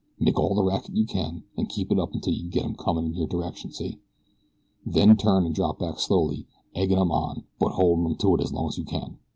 Make all the racket you can, an' keep it up 'til you get 'em comin' in your direction, see? Then turn an' drop back slowly, eggin' 'em on, but holdin' 'em to it as long as you can.